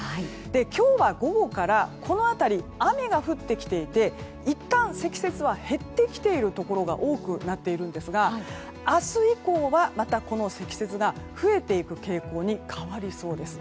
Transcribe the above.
今日は午後からこの辺り、雨が降ってきていていったん積雪は減ってきているところが多くなっているんですが明日以降はまたこの積雪が増えていく傾向に変わりそうです。